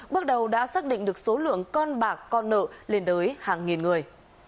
bước đầu đã xác định được số lượng con bạc con nợ lên tới hàng nghìn người